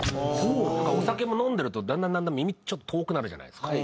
お酒も飲んでるとだんだんだんだん耳ちょっと遠くなるじゃないですか。